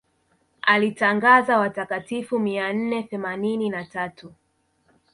alitangaza watakatifu mia nne themanini na tatu